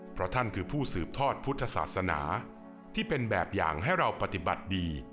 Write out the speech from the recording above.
เพราะท่านคือผู้สืบทอดพุทธศาสนาที่เป็นแบบอย่างให้เราปฏิบัติดี